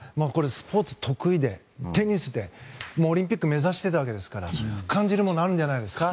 スポーツ得意でテニスでオリンピックを目指していたわけですから感じるものがあるんじゃないですか？